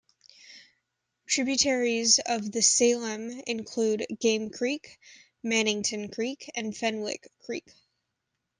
Tributaries of the Salem include Game Creek, Mannington Creek, and Fenwick Creek.